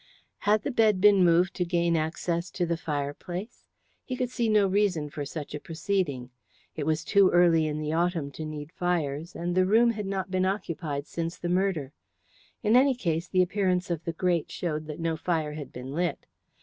Had the bed been moved to gain access to the fireplace? He could see no reason for such a proceeding. It was too early in the autumn to need fires, and the room had not been occupied since the murder. In any case, the appearance of the grate showed that no fire had been lit.